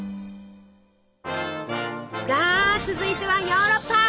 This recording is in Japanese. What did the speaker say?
さあ続いてはヨーロッパ。